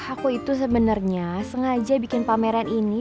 aku itu sebenarnya sengaja bikin pameran ini